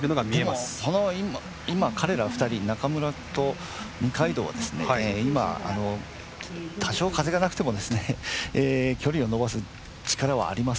でも、この今彼ら２人、中村と二階堂はですね多少、風がなくても距離を伸ばす力はありますんでね。